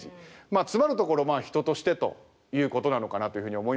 つまるところまあ人としてということなのかなというふうに思いますが。